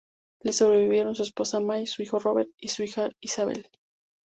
Le sobrevivieron su esposa May, su hijo Robert y su hija Isabelle.